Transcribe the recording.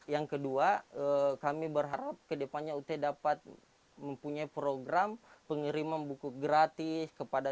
yang kedua kami berharap kedepannya ut dapat mempunyai program pengiriman buku gratis kepada